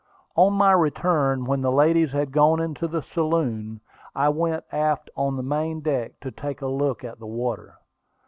On my return, when the ladies had gone up into the saloon, I went aft on the main deck to take a look at the water.